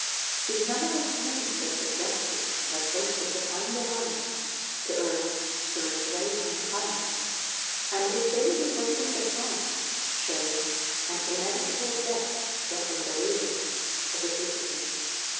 His numerous min isters of justice were posted behind the line, to urge, to restrain, and to punish; and if danger was in the front, shame and inevitable death were in the rear, of the fu gitives.